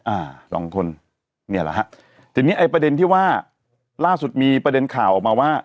อ่าสองคนเนี่ยแหละฮะทีนี้ไอ้ประเด็นที่ว่าล่าสุดมีประเด็นข่าวออกมาว่า